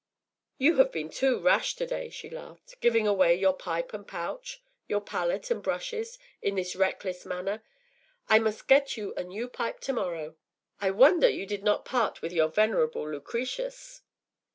” “You have been too rash to day,” she laughed, “giving away your pipe and pouch, your palette and brushes, in this reckless manner! I must get you a new pipe to morrow. I wonder you did not part with your venerable Lucretius.